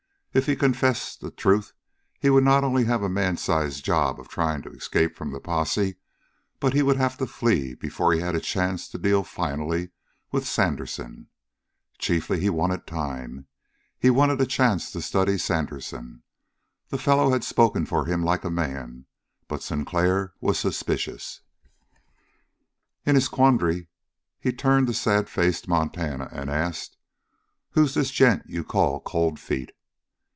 If he confessed the truth he would not only have a man sized job trying to escape from the posse, but he would have to flee before he had a chance to deal finally with Sandersen. Chiefly he wanted time. He wanted a chance to study Sandersen. The fellow had spoken for him like a man, but Sinclair was suspicious. In his quandary he turned to sad faced Montana and asked: "Who's this gent you call Cold Feet?"